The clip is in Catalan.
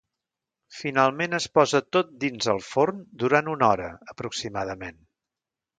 Finalment es posa tot dins el forn durant una hora aproximadament.